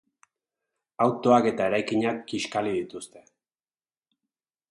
Autoak eta eraikinak kiskali dituzte.